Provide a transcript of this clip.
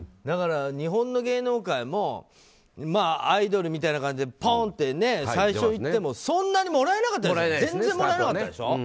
だから、日本の芸能界もアイドルみたいな感じでポンッて最初にいってもそんなにもらえなかったでしょ。